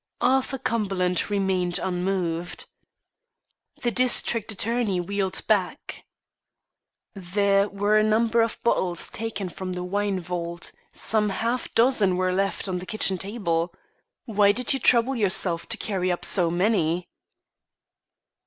Arthur Cumberland remained unmoved. The district attorney wheeled back. "There were a number of bottles taken from the wine vault; some half dozen were left on the kitchen table. Why did you trouble yourself to carry up so many?"